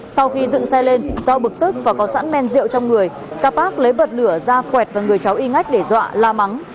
sau khi dựng xe lên do bực tức và có sẵn men rượu trong người các bác lấy bật lửa ra quẹt vào người cháu y ngách để dọa la mắng